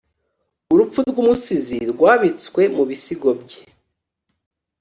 urupfu rw'umusizi rwabitswe mu bisigo bye.